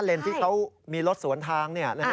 ที่เขามีรถสวนทาง